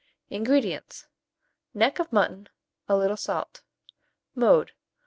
INGREDIENTS. Neck of mutton; a little salt. Mode.